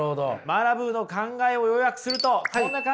マラブーの考えを要約するとこんな感じになります。